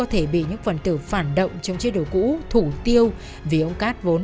thế là nó không ăn